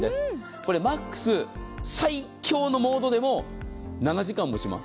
これ、マックス最強のモードでも７時間持ちます。